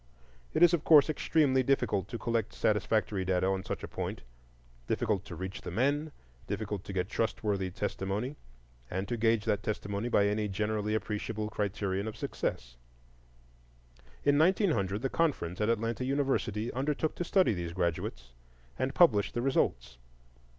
It is of course extremely difficult to collect satisfactory data on such a point,—difficult to reach the men, to get trustworthy testimony, and to gauge that testimony by any generally acceptable criterion of success. In 1900, the Conference at Atlanta University undertook to study these graduates, and published the results.